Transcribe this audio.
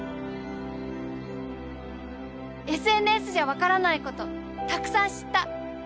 ＳＮＳじゃ分からないことたくさん知った。